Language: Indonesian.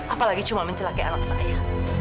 apalagi cuma mencelaka anak saya